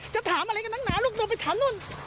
จะถามอะไรกับนักหนาลูกโดนไปถามนู่น